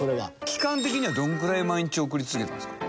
期間的にはどのぐらい毎日送り続けたんですか？